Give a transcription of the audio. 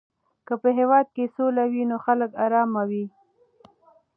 که په هېواد کې سوله وي نو خلک آرامه وي.